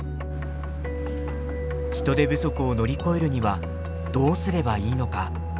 人手不足を乗り越えるにはどうすればいいのか。